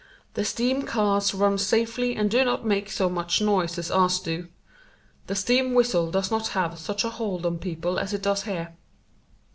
The steam cars run safely and do not make so much noise as ours do. The steam whistle does not have such a hold on people as it does here.